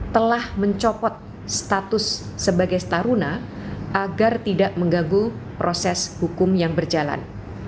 telah mencopot status sebagai staruna agar tidak mengganggu proses hukum yang berjalan